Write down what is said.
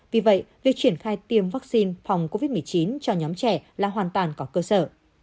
vì vậy việc triển khai tiêm vaccine phòng covid một mươi chín cho nhóm trẻ là hoàn toàn có cơ sở